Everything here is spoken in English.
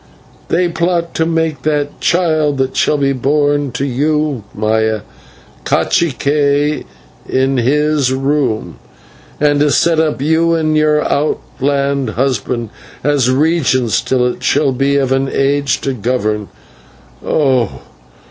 They plot to make that child that shall be born of you, Maya, /cacique/ in his room, and to set up you and your outland husband as regents till it shall be of an age to govern. Oh!